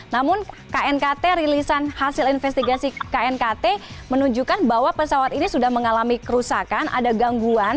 namun knkt rilisan hasil investigasi knkt menunjukkan bahwa pesawat ini sudah mengalami kerusakan ada gangguan